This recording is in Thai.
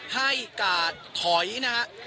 ให้กาดถอยนะฮะ